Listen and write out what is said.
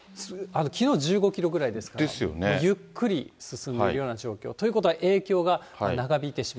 きのう１５キロぐらいですから、ゆっくり進んでいるような状況、ということは、影響が長引いてしまう。